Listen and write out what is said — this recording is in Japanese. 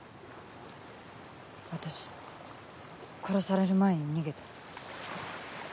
私殺される前に逃げた。